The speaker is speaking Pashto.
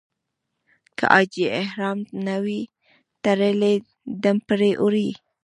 که حاجي احرام نه وي تړلی دم پرې اوړي.